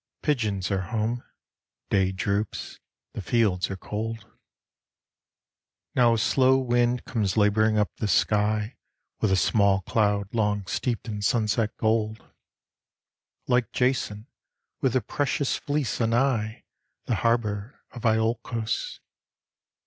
Pigeons are home. Day droops. The fields are cold. Now a slow wind comes labouring up the sky With a small cloud long steeped in sunset gold, Like Jason with the precious fleece anigh The harbour of lolcos.